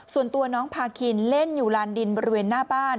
ส่วนตัวน้องพาคินเล่นอยู่ลานดินบริเวณหน้าบ้าน